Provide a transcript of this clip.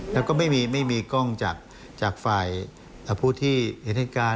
แล้วก็ไม่มีกล้องจากฝ่ายผู้ที่เห็นเหตุการณ์